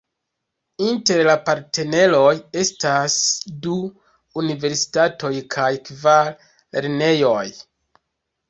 Inter la partneroj estas du universitatoj kaj kvar lernejoj.